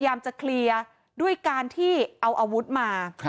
จะเคลียร์ด้วยการที่เอาอาวุธมา